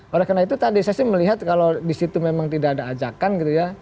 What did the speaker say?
oleh karena itu tadi saya sih melihat kalau di situ memang tidak ada ajakan gitu ya